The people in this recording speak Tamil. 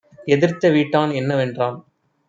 எதிர்த்த வீட்டான் என்ன வென்றான்.